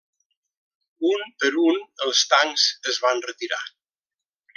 Un per un els tancs es van retirar.